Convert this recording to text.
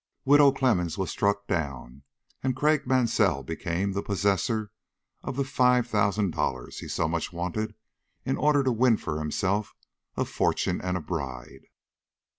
Widow Clemmens was struck down and Craik Mansell became the possessor of the five thousand dollars he so much wanted in order to win for himself a fortune and a bride."